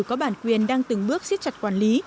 có bản quyền đang từng bước siết chặt quản lý